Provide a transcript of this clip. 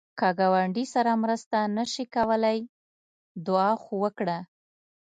که ګاونډي سره مرسته نشې کولای، دعا خو وکړه